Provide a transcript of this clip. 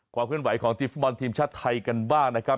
ความคุณไหวของธิมฟุตบอลเทียมชาติไทยกันบ้างนะครับ